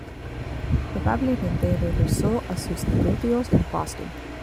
Probablemente regresó a sus negocios en Boston.